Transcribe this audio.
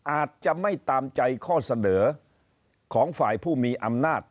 อาจจะไม่ตามใจข้อเสนอของฝ่ายผู้มีอำนาจ